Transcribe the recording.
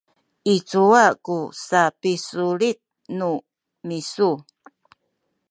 i cuwa ku sapisulit nu misu?